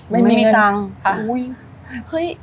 ไม่มีเงิน